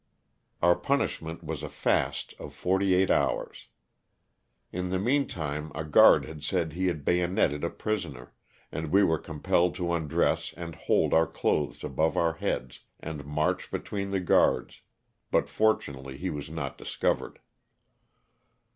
Our punishment was a fast of forty eight hours. In the meantime a guard had said he had bayonetted a prisoner, and we were compelled to un dress and hold our clothes above our heads, and march between the guards, but fortunately he was not dis covered.